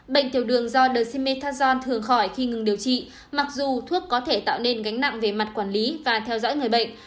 bệnh tiểu đường do the methazon thường khỏi khi ngừng điều trị mặc dù thuốc có thể tạo nên gánh nặng về mặt quản lý và theo dõi người bệnh